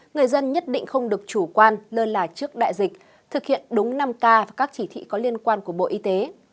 người dân nhất định không được chủ quan lơ là trước đại dịch thực hiện đúng năm k và các chỉ thị có liên quan của bộ y tế